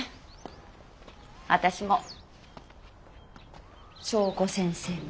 私も祥子先生も。